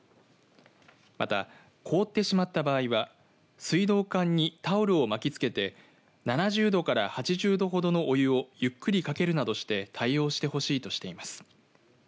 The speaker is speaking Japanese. また、凍ってしまった場合は水道管にタオルを巻きつけて７０度から８０度ほどのお湯をゆっくりかけるなどして対応してほしいとしています。